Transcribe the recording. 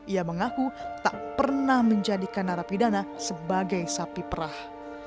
ia mengaku tak pernah menjadikan narapidana sebagai sapi perah